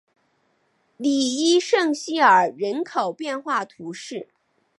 里伊圣西尔人口变化图示